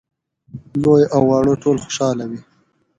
لوی او واړه ټول خوشاله وي.